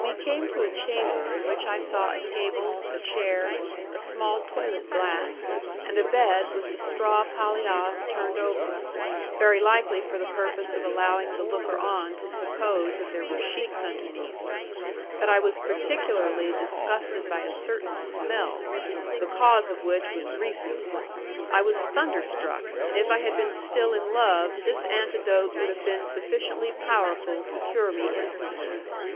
We came to a chamber in which I saw a table, a chair, a small toilet glass and a bed with the straw palliasse turned over, very likely for the purpose of allowing the looker on to suppose that there were sheets underneath, but I was particularly disgusted by a certain smell, the cause of which was recent; I was thunderstruck, and if I had been still in love, this antidote would have been sufficiently powerful to cure me instanter.